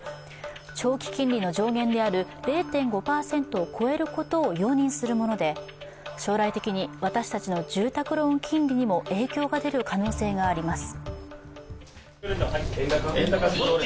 長期金利の上限である０．５％を超えることを容認するもので、将来的に私たちの住宅ローン金利にも影響が出る可能性があります。